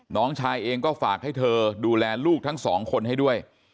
น้องชายเองก็ฝากให้เธอดูแลลูกทั้งสองคนให้ด้วย